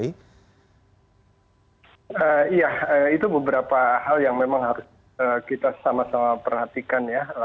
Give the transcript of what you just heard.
iya itu beberapa hal yang memang harus kita sama sama perhatikan ya